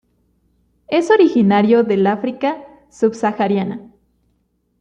Es originario del África subsahariana.